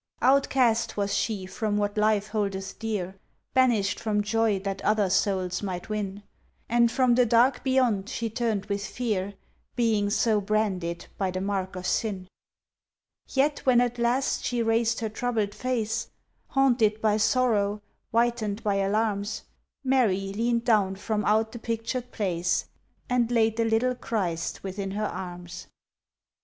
Outcast was she from what Life holdeth dear; Banished from joy that other souls might win; And from the dark beyond she turned with fear, Being so branded by the mark of sin. Yet when at last she raised her troubled face, Haunted by sorrow, whitened by alarms, Mary leaned down from out the pictured place, And laid the little Christ within her arms.